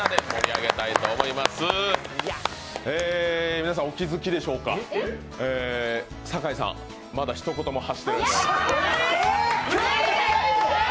皆さん、お気づきでしょうか酒井さん、まだひと言も発していません。